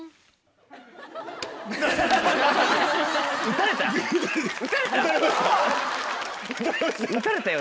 撃たれた？